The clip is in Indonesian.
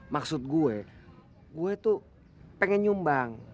maksud gue gue tuh pengen nyumbang